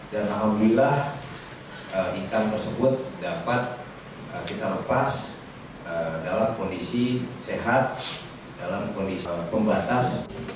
dan alhamdulillah ikan tersebut dapat kita lepas dalam kondisi sehat dalam kondisi pembatas